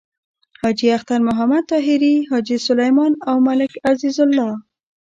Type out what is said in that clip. حاجی اختر محمد طاهري، حاجی سلیمان او ملک عزیز الله…